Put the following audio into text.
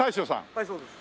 はいそうです。